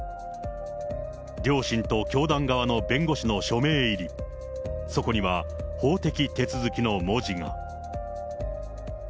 両親と教団側の弁護士の署名入り、そこには法的手続きの文字が。